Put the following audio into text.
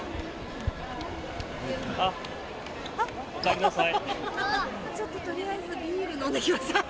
おかえりなさい。